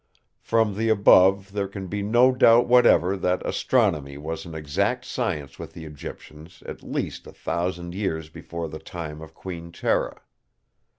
From the above there can be no doubt whatever that astronomy was an exact science with the Egyptians at least a thousand years before the time of Queen Tera.